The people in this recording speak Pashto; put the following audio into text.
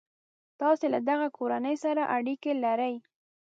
تاسي له دغه کورنۍ سره اړیکي لرئ.